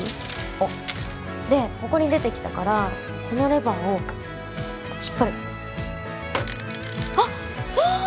おっでここに出てきたからこのレバーを引っ張るあっそう！